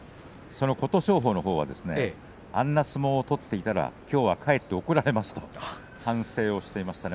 琴勝峰のほうはあんな相撲を取っていたらきょうは部屋に帰って怒られますと反省をしていました。